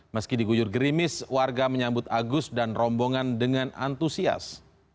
meski diguyur gerimis warga menyambut agus dan rombongan dengan antusias